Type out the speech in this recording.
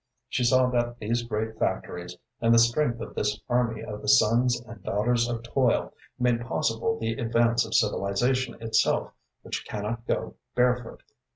She saw that these great factories, and the strength of this army of the sons and daughters of toil, made possible the advance of civilization itself, which cannot go barefoot.